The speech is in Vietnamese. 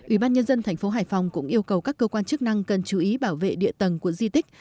ubnd tp hải phòng cũng yêu cầu các cơ quan chức năng cần chú ý bảo vệ địa tầng của di tích